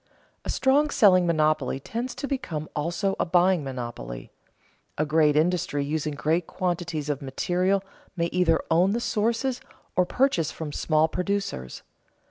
_ A strong selling monopoly tends to become also a buying monopoly. A great industry using great quantities of materials may either own the sources or purchase from small producers.